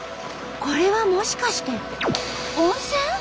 これはもしかして温泉？